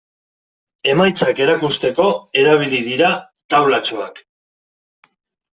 Emaitzak erakusteko erabili dira taulatxoak.